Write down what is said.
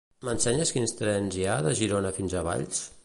M'ensenyes quins trens hi ha de Girona fins a Valls?